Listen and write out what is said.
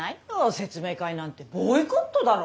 説明会なんてボイコットだろ。